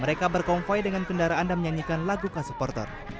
mereka berkonvoy dengan kendaraan dan menyanyikan lagu khas supporter